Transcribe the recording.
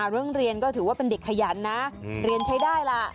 เรื่องเรียนก็ถือว่าเป็นเด็กขยันนะเรียนใช้ได้ล่ะ